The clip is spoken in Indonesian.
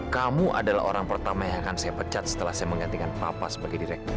kamu adalah orang pertama yang akan saya pecat setelah saya menggantikan papa sebagai direktur